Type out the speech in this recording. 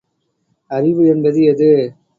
அறிவு என்பது எது?